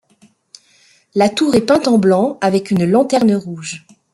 La tour est peinte en blanc avec une lanterne rouge.